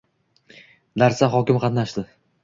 Darsda hokim qatnashdi